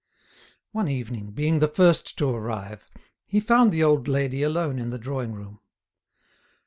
One evening, being the first to arrive, he found the old lady alone in the drawing room.